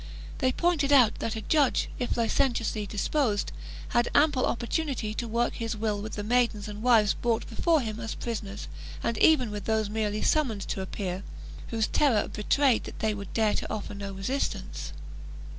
They pointed out that a judge, if licen tiously disposed, had ample opportunity to work his will with the maidens and wives brought before him as prisoners and even with those merely summoned to appear, whose terror betrayed that they would dare to offer no resistance.